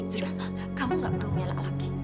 sudah ma kamu gak perlu ngelak lagi